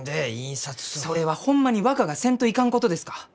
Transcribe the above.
それはホンマに若がせんといかんことですか？